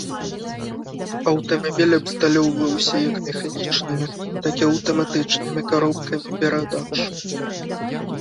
Аўтамабіль абсталёўваўся як механічнымі, так і аўтаматычнымі каробкамі перадач.